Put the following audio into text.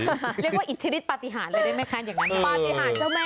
เรียกว่าอิทธิฤทธิ์ปฏิหารเลยได้ไหมแค้นอย่างนั้น